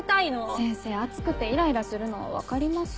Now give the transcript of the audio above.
先生暑くてイライラするのは分かります。